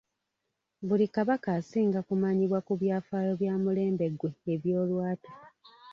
Buli kabaka asinga kumanyirwa ku byafaayo bya mulembe gwe eby'olwatu.